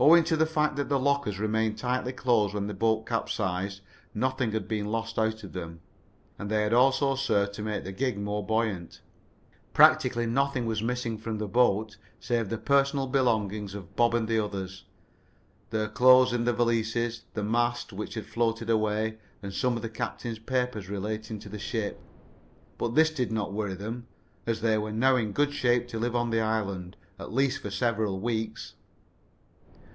Owing to the fact that the lockers remained tightly closed when the boat capsized, nothing had been lost out of them, and they had also served to make the gig more buoyant. Practically nothing was missing from the boat save the personal belongings of Bob and the others their clothing in the valises, the mast which had floated away, and some of the captain's papers relating to the ship. But this did not worry them, as they were now in good shape to live on the island, at least for several weeks.